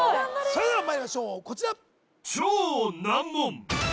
それではまいりましょうこちら